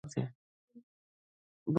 افغانستان د سیندونه له مخې پېژندل کېږي.